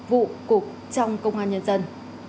vụ cục trong công an nhân dân